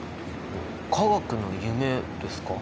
「化学の夢」ですか？